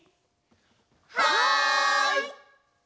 はい！